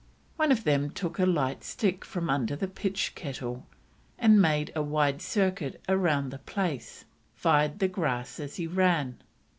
One of them took a lighted stick from under the pitch kettle, and, making a wide circuit round the place, fired the grass as he ran.